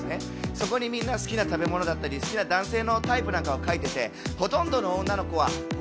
そこにみんな好きな食べ物だったり好きな男性のタイプとかを書いててほとんどの女の子はｗ